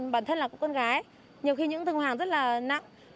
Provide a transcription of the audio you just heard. bản thân là con gái nhiều khi những thường hoàng rất là nặng